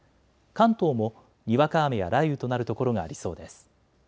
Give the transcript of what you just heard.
関東もにわか雨や雷雨となる所がありそうです。